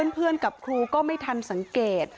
เพื่อนกับครูก็ไม่ทันสังเกต